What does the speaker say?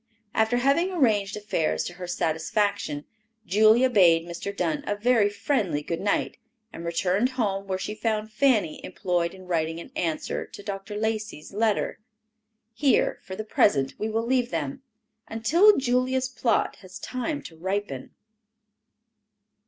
After having arranged affairs to her satisfaction, Julia bade Mr. Dunn a very friendly good night, and returned home where she found Fanny employed in writing an answer to Dr. Lacey's letter. Here, for the present, we will leave them, until Julia's plot has time to ripen.